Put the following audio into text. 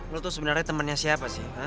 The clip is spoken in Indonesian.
lo tuh sebenarnya temennya siapa sih